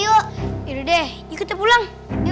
yaudah deh yuk kita pulang